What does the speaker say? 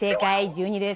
１２です。